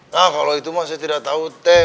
nah kalau itu mah saya tidak tahu teh